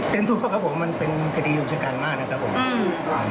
เป็นทุกข์ครับผมมันเป็นคดีอุกชะกันมากนะครับผม